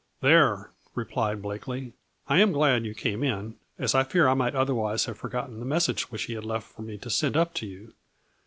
" 4 There,' replied Blakely, ' I am glad you came in, as I fear I might otherwise have for gotten the message which he left for me to send up to you.